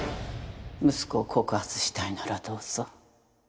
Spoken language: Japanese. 息子を告発したいならどうぞ。